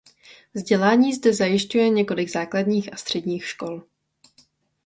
Vzdělání zde zajišťuje několik základních a středních škol.